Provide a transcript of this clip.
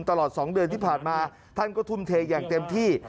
ตลอด๒เดือนที่ผ่านมาท่านก็ทุ่มเทอย่างเต็มที่